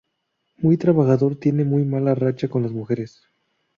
Muy trabajador, tiene muy mala racha con las mujeres.